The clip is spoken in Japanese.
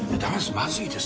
まずいですよ。